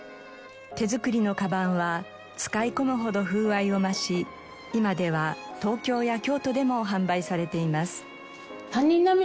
手作りの鞄は使い込むほど風合いを増し今では東京や京都でも販売されています。